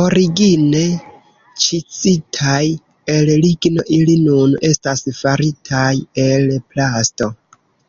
Origine ĉizitaj el ligno, ili nun estas faritaj el plasto.